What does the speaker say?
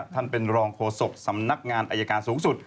ท่านเป็นรองโฆษกสำนักงานอายการสูงสุด